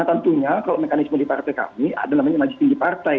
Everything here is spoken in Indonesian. nah tentunya kalau mekanisme dipartai kami adalah namanya magistri dipartai